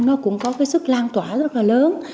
nó cũng có sức lan tỏa rất là lớn